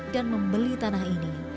dan membeli tanah ini